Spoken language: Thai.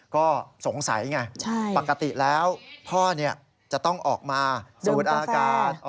ก็สงสัยไงปกติแล้วพ่อเนี่ยจะต้องออกมาสวดอากาศเดิมกาแฟ